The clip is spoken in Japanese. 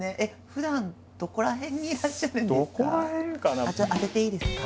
ふだんどこら辺にいらっしゃるんですか？